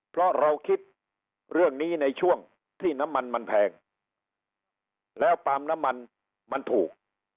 เพราะเราคิดเรื่องนี้ในช่วงที่น้ำมันมันแพงแล้วปาล์มน้ำมันมันถูก